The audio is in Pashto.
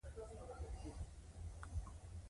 د اوبو څښل د پوستکي ښکلا زیاتوي.